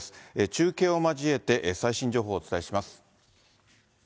中継を交えて、最新情報をお伝えします。